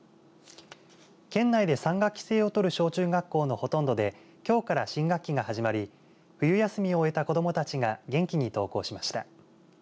県内で３学期制をとる小中学校のほとんどできょうから新学期が始まり冬休みを終えた子どもたちが元気に登校しました。